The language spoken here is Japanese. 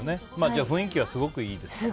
じゃあ雰囲気はすごくいいですか？